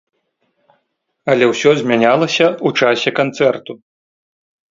Але ўсё змянялася ў часе канцэрту.